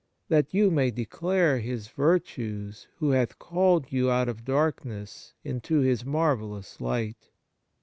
. that you may declare His virtues who hath called you out of darkness into His marvellous light."